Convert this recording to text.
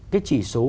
cái chỉ số